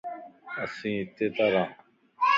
اسين ھتي تان ران